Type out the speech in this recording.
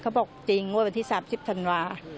เขาบอกจริงงวดวันที่๓๐ธันวา